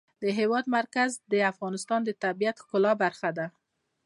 د هېواد مرکز د افغانستان د طبیعت د ښکلا برخه ده.